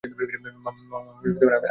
মামা, আমি ইউকের ভিসা পেয়েছি।